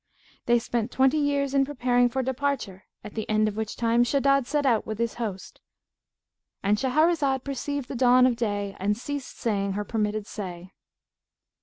They spent twenty years in preparing for departure, at the end of which time Shaddad set out with his host.—And Shahrazad perceived the dawn of day and ceased saying her permitted say.